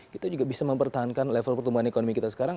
kita juga bisa mempertahankan level pertumbuhan ekonomi kita sekarang